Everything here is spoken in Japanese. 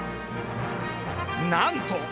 なんと！